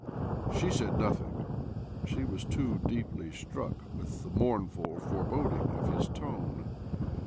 She said nothing — she was too deeply OBLOMOV 263 struck with the mournful foreboding in his tone.